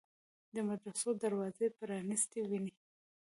د مدرسو دروازې پرانیستې ویني.